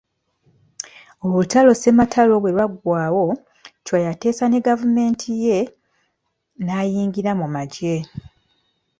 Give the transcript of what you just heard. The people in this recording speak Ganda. Olutalo Ssematalo bwe lwagwawo, Chwa yateesa ne Gavumenti ye, n'ayingira mu magye.